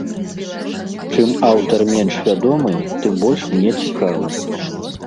Чым аўтар менш вядомы, тым больш мне цікавы.